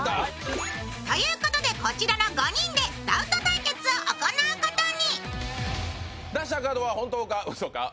ということでこちらの５人で「ダウト」対決を行うことに。